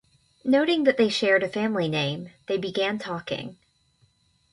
Noting that they shared a family name, they began talking.